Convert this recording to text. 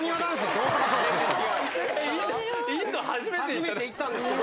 初めて行ったんですけど。